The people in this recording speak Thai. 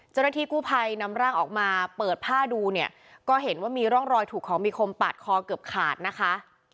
เจ้าหน้าที่กู้ภัยนำร่างออกมาเปิดผ้าดูเนี่ยก็เห็นว่ามีร่องรอยถูกของมีคมปาดคอเกือบขาดนะคะ